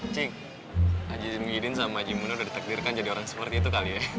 cik haji muhidin sama haji muhidin udah ditekdirkan jadi orang seperti itu kali ya